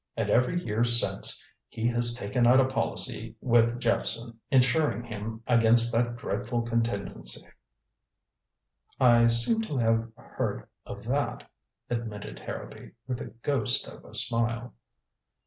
And every year since he has taken out a policy with Jephson, insuring him against that dreadful contingency." "I seem to have heard of that," admitted Harrowby, with the ghost of a smile.